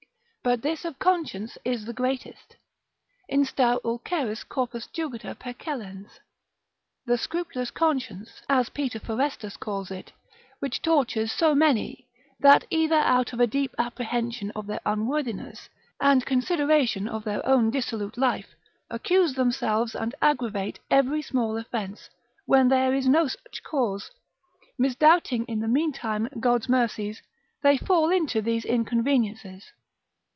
but this of conscience is the greatest, Instar ulceris corpus jugiter percellens: The scrupulous conscience (as Peter Forestus calls it) which tortures so many, that either out of a deep apprehension of their unworthiness, and consideration of their own dissolute life, accuse themselves and aggravate every small offence, when there is no such cause, misdoubting in the meantime God's mercies, they fall into these inconveniences.